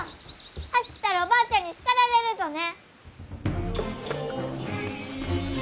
走ったらおばあちゃんに叱られるぞね！